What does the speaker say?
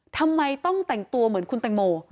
ทำไมต้องแต่งตัวเหมือนคุณแตงโม